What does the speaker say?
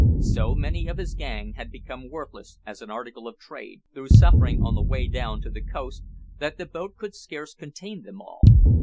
So many of his gang had become worthless as an article of trade, through suffering on the way down to the coast, that the boat could scarce contain them all.